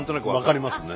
分かりますね。